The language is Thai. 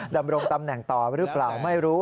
ดำรงตำแหน่งต่อหรือเปล่าไม่รู้